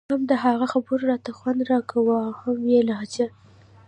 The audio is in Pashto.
هم د هغه خبرو راته خوند راکاوه او هم يې لهجه.